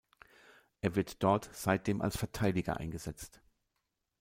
Er wird dort seitdem als Verteidiger eingesetzt.